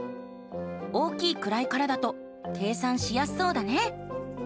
大きい位からだと計算しやすそうだね。